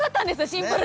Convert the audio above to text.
シンプルで。